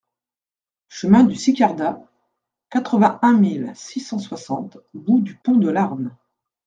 Chemin du Sicardas, quatre-vingt-un mille six cent soixante Bout-du-Pont-de-Larn